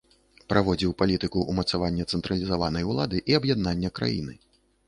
Праводзіў палітыку ўмацавання цэнтралізаванай улады і аб'яднання краіны.